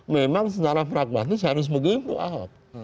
memang secara pragmatis harus begitu aup